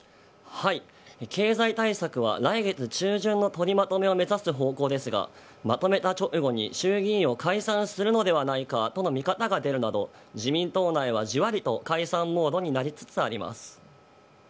経済対策は来月中旬の取りまとめを目指す方向ですが、まとめた直後に衆議院を解散するのではないかとの見方が出るなど、自民党内はじわりと、解散モードになりつつあります。